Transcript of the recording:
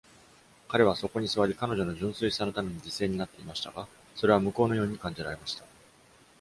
彼はそこに座り彼女の純粋さのために犠牲になっていましたが、それは無効のように感じられました。